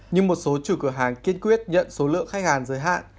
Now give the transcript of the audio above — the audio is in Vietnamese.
nhưng một số chủ cửa hàng kiên quyết nhận số lượng khách hàng giới hạn